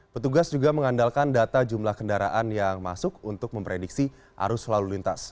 petugas juga mengandalkan data jumlah kendaraan yang masuk untuk memprediksi arus lalu lintas